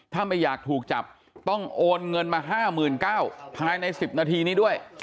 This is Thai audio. ถ้าไม่อยากถูกจับต้องโอนเงินมา๕๙๐๐ภายใน๑๐นาทีนี้ด้วย